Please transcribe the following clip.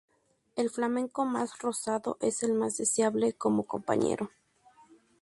El flamenco más rosado es el más deseable como compañero.